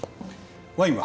ワインは？